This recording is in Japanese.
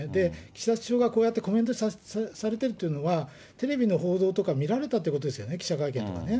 岸田首相が、こうやってコメントされているということは、テレビの報道とか見られたということですよね、記者会見とかね。